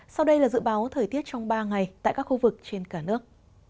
sau đây là dự báo thời tiết trong ba ngày tại các khu vực trên cả nước